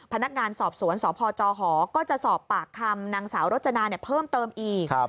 พนักงานสอบสวนสพจหก็จะสอบปากคำนางสาวรจนาเพิ่มเติมอีก